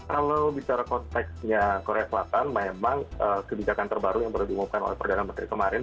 kalau bicara konteksnya korea selatan memang kebijakan terbaru yang baru diumumkan oleh perdana menteri kemarin